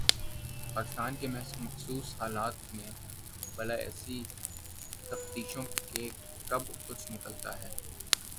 پاکستان کے مخصوص حالات میں بھلا ایسی تفتیشوں سے کب کچھ نکلتا ہے؟